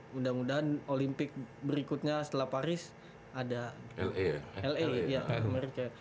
mudah mudahan olimpik berikutnya setelah paris ada la ya